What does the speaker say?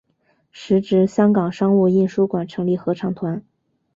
时值香港商务印书馆成立合唱团。